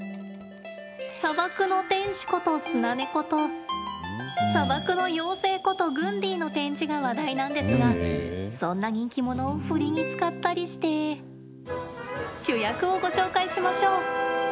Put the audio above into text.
砂漠の天使ことスナネコと砂漠の妖精ことグンディの展示が話題なんですがそんな人気者をふりに使ったりして主役をご紹介しましょう。